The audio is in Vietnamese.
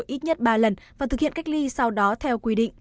ít nhất ba lần và thực hiện cách ly sau đó theo quy định